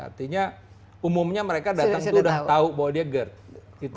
artinya umumnya mereka datang itu udah tahu bahwa dia gerd gitu